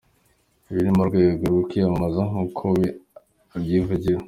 Ibi ni mu rwego rwo kwiyamamaza nk’uko we abyivugira.